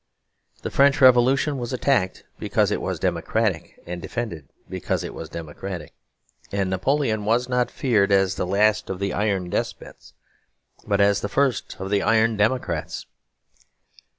The French Revolution was attacked because it was democratic and defended because it was democratic; and Napoleon was not feared as the last of the iron despots, but as the first of the iron democrats.